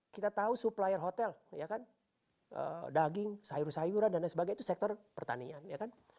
kita tahu supplier hotel ya kan daging sayur sayuran dan lain sebagainya itu sektor pertanian ya kan